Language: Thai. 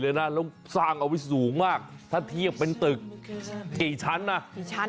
แล้วอย่างนี้สร้างรถไว้สูงมากถ้าเทียบเป็นตึกตั้งแต่สามสี่ตำนาน